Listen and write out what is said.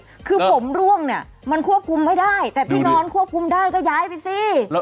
คือผมร่วงเนี่ยมันควบคุมไม่ได้แต่ที่นอนควบคุมได้ก็ย้ายไปสิ